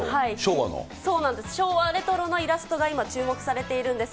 昭和レトロなイラストが今注目されているんです。